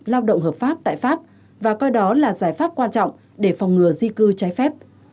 lao động hợp pháp tại pháp và coi đó là giải pháp quan trọng để phòng ngừa di cư trái phép